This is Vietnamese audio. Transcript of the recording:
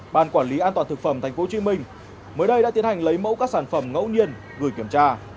ban quản lý an toàn thực phẩm tp hcm mới đây đã tiến hành lấy mẫu các sản phẩm ngẫu nhiên gửi kiểm tra